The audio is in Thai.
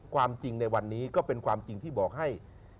ความจริงในวันนี้ก็เป็นความจริงที่บอกให้